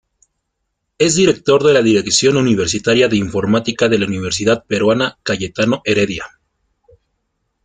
Es director de la Dirección Universitaria de Informática de la Universidad Peruana Cayetano Heredia.